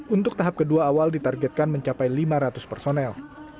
untuk tahap kedua awal ditargetkan mencapai lima ratus personel